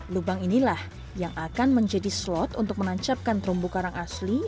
lubang inilah yang akan menjadi slot untuk menancapkan terumbu karang asli